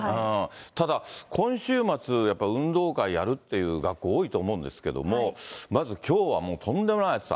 ただ、今週末、やっぱ運動会やるっていう学校、多いと思うんですけども、まずきょうはもうとんでもない暑さ。